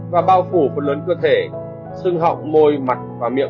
và bao phủ phần lớn cơ thể xưng họng môi mặt và miệng